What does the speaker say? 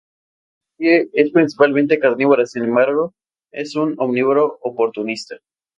La especie es principalmente carnívora, sin embargo es un omnívoro oportunista.